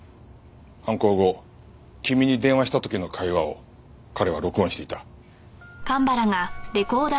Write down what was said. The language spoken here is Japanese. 犯行後君に電話した時の会話を彼は録音していた。